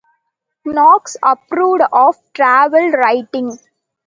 Knox approved of travel writing.